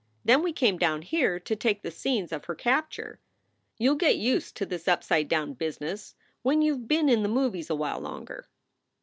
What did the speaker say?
Then we came down here to take the scenes of her capture. You ll get used to this upside down business when you ve been in the movies a while longer."